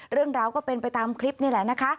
เรื่องราวก็เป็นไปตามคลิปนี่แหละนะคะ